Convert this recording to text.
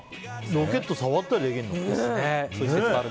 ロケット触ったりできるの？